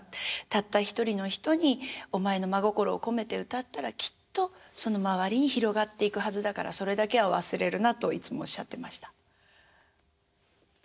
たった１人の人にお前の真心を込めて歌ったらきっとその周りに広がっていくはずだからそれだけは忘れるなといつもおっしゃってました。